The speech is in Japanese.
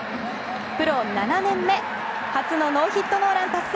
プロ７年目初のノーヒットノーラン達成